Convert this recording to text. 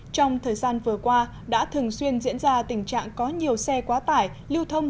trong thời gian vừa qua đã thường xuyên diễn ra tình trạng có nhiều xe quá tải lưu thông